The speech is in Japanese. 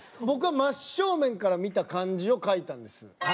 僕は真っ正面から見た感じを描いたんです。